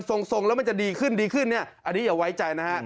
ทรงแล้วมันจะดีขึ้นดีขึ้นเนี่ยอันนี้อย่าไว้ใจนะฮะ